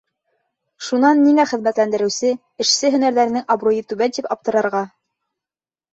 Шунан ниңә хеҙмәтләндереүсе, эшсе һөнәрҙәренең абруйы түбән тип аптырарға?